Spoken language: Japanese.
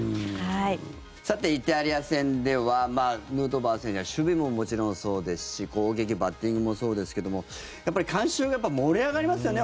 さて、イタリア戦ではヌートバー選手は守備ももちろんそうですし攻撃、バッティングもそうですけどもやっぱり観衆が盛り上がりますよね